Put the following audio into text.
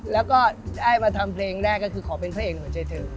แล้วก็ได้มาทำเพลงแรกก็คือขอเป็นพระเอกหัวใจเธอ